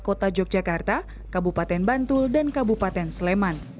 kota yogyakarta kabupaten bantul dan kabupaten sleman